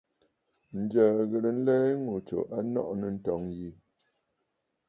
Ǹjə̀ə̀ ghɨ̀rə nlɛ yi ŋù tsù a nɔʼɔ̀ nɨ̂ ǹtɔ̀ŋə̂ yi.